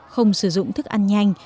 không sử dụng thức ăn nhanh